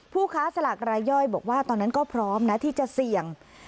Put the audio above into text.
ผู้ค้าสลากรายย่อยบอกว่าตอนนั้นก็พร้อมนะที่จะเสี่ยง